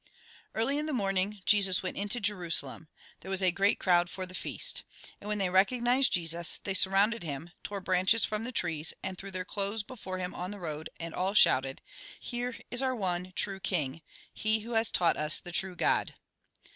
Early in tlie morning Jesus went into Jerusalem. There was a great crowd for the feast. And when they recognised Jesus, they surrounded him, tore branches from the trees, and threw their clothes before him on the road, and all shouted :" Here is our true king, he who has taught us the true God."